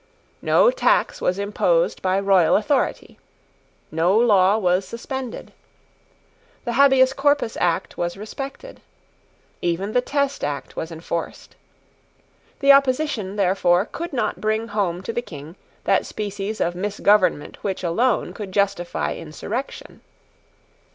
No tax was imposed by royal authority. No law was suspended. The Habeas Corpus Act was respected. Even the Test Act was enforced. The opposition, therefore, could not bring home to the King that species of misgovernment which alone could justify insurrection.